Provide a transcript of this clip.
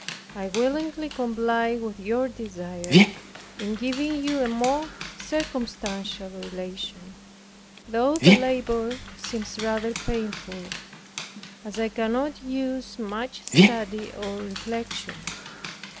I willingly comply with your desire, in giving you a more circumstantial relation; though the labor seems rather painful, as I cannot use much study or reflection.